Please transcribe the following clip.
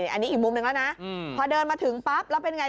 อันนี้อีกมุมหนึ่งแล้วนะพอเดินมาถึงปั๊บแล้วเป็นไง